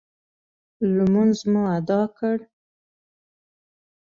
لمونځ مو اداء کړ.